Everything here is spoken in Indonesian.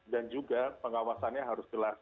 dan juga pengawasannya harus jelas